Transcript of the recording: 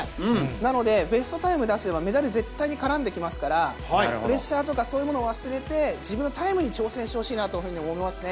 なのでベストタイム出せば、メダル、絶対に絡んできますから、プレッシャーとかそういうものを忘れて、自分のタイムに挑戦してほしいなというふうに思いますね。